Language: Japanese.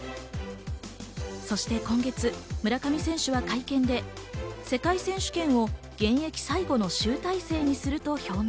そして今月、村上選手は会見で世界選手権を現役最後の集大成にすると表明。